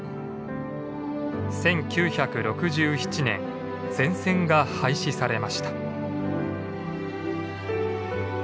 １９６７年全線が廃止されました。